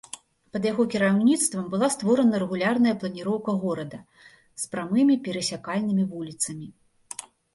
Пад яго кіраўніцтвам была створана рэгулярная планіроўка горада з прамымі перасякальнымі вуліцамі.